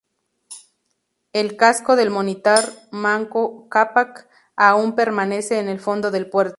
El casco del monitor "Manco Cápac" aún permanece en el fondo del puerto.